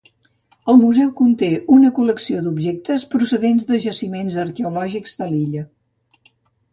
El museu conté una col·lecció d'objectes procedents de jaciments arqueològics de l'illa.